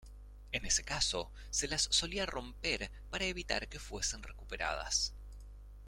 En ese caso, se las solía romper para evitar que fuesen recuperadas.